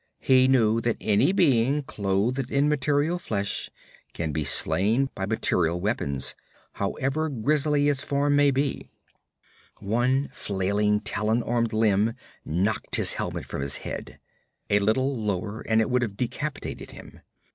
He knew that any being clothed in material flesh can be slain by material weapons, however grisly its form may be. One flailing talon armed limb knocked his helmet from his head. A little lower and it would have decapitated him.